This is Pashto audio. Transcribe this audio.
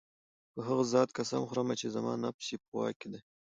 په هغه ذات قسم خورم چي زما نفس ئي په واك كي دی